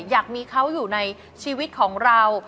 อยากมีเขาอยู่ในชีวิตของเรา